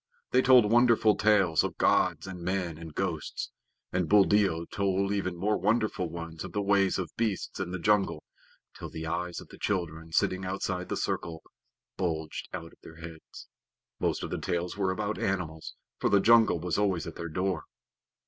They told wonderful tales of gods and men and ghosts; and Buldeo told even more wonderful ones of the ways of beasts in the jungle, till the eyes of the children sitting outside the circle bulged out of their heads. Most of the tales were about animals, for the jungle was always at their door.